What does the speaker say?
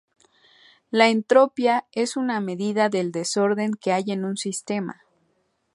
La entropía es una medida del desorden que hay en un sistema.